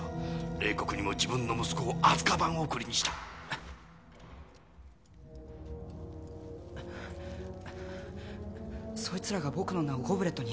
冷酷にも自分の息子をアズカバン送りにしたそいつらが僕の名をゴブレットに？